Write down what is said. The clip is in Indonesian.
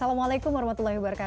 assalamualaikum wr wb